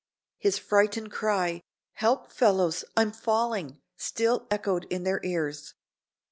His frightened cry, "Help, fellows, I'm falling!" still echoed in their ears.